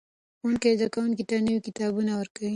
ښوونکي زده کوونکو ته نوي کتابونه ورکوي.